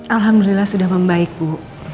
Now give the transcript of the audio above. alhamdulillah sudah membaik bu